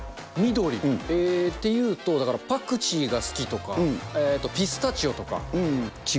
えー、っていうと、パクチーが好きとか、ピスタチオとか。